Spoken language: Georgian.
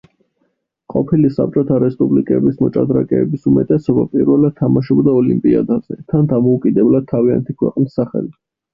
ყოფილი საბჭოთა რესპუბლიკების მოჭადრაკეების უმეტესობა პირველად თამაშობდა ოლიმპიადაზე, თან დამოუკიდებლად თავიანთი ქვეყნის სახელით.